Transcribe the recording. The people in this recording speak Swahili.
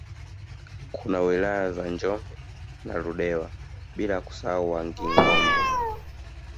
Kuna wilaya za Njombe na Ludewa bila kusahau Wangingombe